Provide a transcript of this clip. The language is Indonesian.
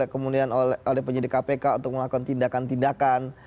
kemudian oleh penyidik kpk untuk melakukan tindakan tindakan